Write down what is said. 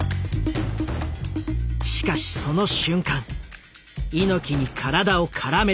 しかしその瞬間猪木に体をからめ捕られる。